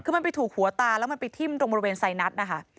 คือมันไปถูกหัวตาแล้วมันไปทิ้มตรงบริเวณไซนัสนะคะ